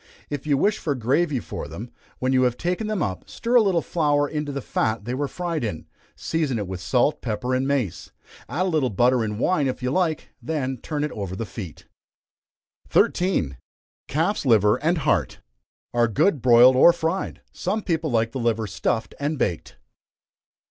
If you wish for gravy for them, when you have taken them up, stir a little flour into the fat they were fried in; season it with salt, pepper, and mace. Add a little butter and wine if you like, then turn it over the feet. 13. Calf's Liver and Heart. Are good, broiled or fried. Some people like the liver stuffed and baked.